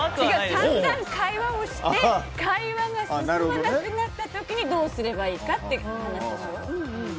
散々、会話をして会話が進まなくなった時にどうすればいいかって話でしょ。